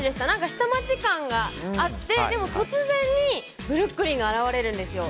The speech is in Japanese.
下町感があってでも、突然にブルックリンが現れるんですよ。